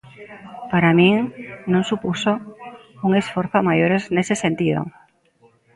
Para min non supuxo un esforzo a maiores nese sentido.